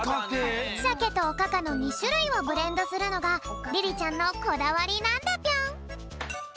しゃけとおかかの２しゅるいをブレンドするのがリリちゃんのこだわりなんだぴょん。